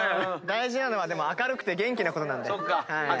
「大事なのは明るくて元気なことなんで」